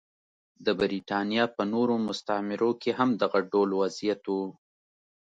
د برېټانیا په نورو مستعمرو کې هم دغه ډول وضعیت و.